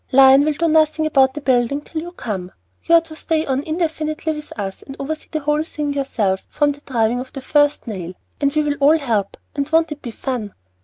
Lion will do nothing about the building till you come. You are to stay on indefinitely with us, and oversee the whole thing yourself from the driving of the first nail. We will all help, and won't it be fun?